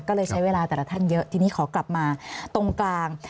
ก็เลยใช้เวลาแต่ละท่านเยอะทีนี้ขอกลับมาตรงกลาง